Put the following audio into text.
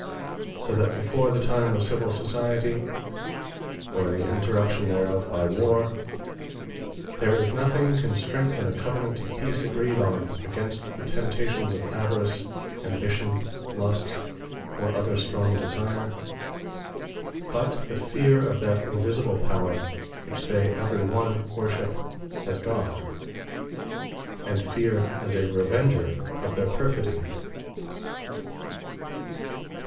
So that before the time of Civill Society, or in the interruption thereof by Warre, there is nothing can strengthen a Covenant of Peace agreed on, against the temptations of Avarice, Ambition, Lust, or other strong desire, but the feare of that Invisible Power, which they every one Worship as God; and Feare as a Revenger of their perfidy.